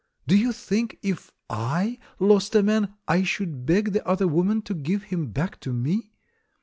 Do you think, if I lost a man, I should beg the other woman to give him back to me?